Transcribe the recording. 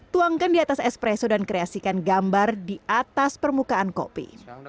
tuangkan di atas espresso dan kreasikan gambar di atas permukaan kopi